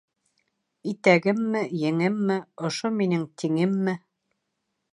Итәгемме, еңемме, ошо минең тиңемме?